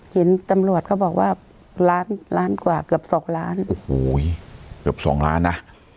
เห็นตำรวจก็บอกว่าล้านล้านกว่าเกือบสองล้านโอ้โหเกือบสองล้านนะ